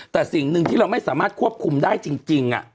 แต่สิ่งหนึ่งที่เราไม่สามารถควบคุมได้จริง